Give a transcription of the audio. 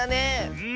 うん。